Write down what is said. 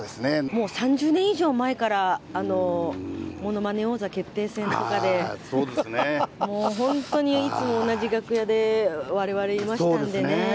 もう３０年以上前から、ものまね王座決定戦とかで、もう本当にいつも同じ楽屋でわれわれいましたんでね。